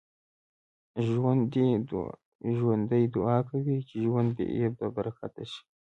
ژوندي دعا کوي چې ژوند يې بابرکته شي